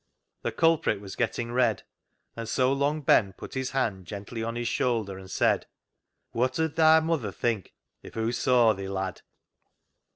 " The culprit was getting red, and so Long Ben put his hand gently on his shoulder, and said —" Wot 'ud thy mother think if hoo saw thi, lad?"